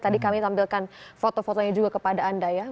tadi kami tampilkan foto fotonya juga kepada anda ya